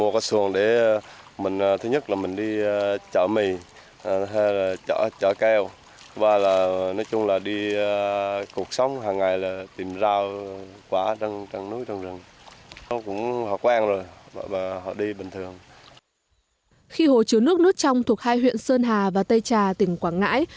khi hồ chứa nước nước trong thuộc hai huyện sơn hà và tây trà tỉnh quảng ngãi